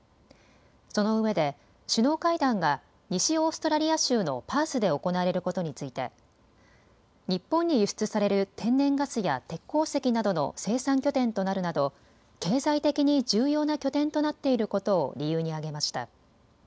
そのうえで首脳会談が西オーストラリア州のパースで行われることについて日本に輸出される天然ガスや鉄鉱石などの生産拠点となるなど、経済的に重要な拠点となっていることを理由に挙げました。